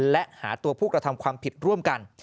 และหาตัวผู้กระทำความผิดร่วมกัน